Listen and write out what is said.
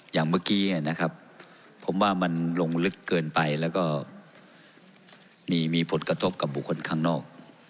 อย่างเมื่อกี้นะครับผมว่ามันลงลึกเกินไปแล้วก็มีผลกระทบกับบุคคลข้างนอก